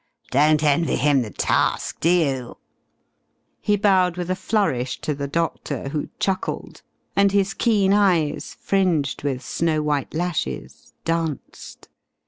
Don't envy him the task, do you?" He bowed with a flourish to the doctor who chuckled and his keen eyes, fringed with snow white lashes, danced.